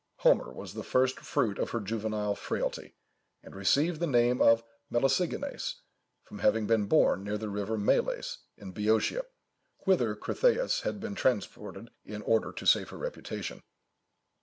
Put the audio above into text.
Homer was the first fruit of her juvenile frailty, and received the name of Melesigenes, from having been born near the river Meles, in Bœotia, whither Critheïs had been transported in order to save her reputation.